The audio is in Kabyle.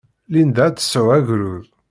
Linda ad d-tesɛu agrud.